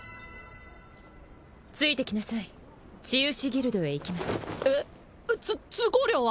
ついてきなさい治癒士ギルドへ行きますえっつ通行料は？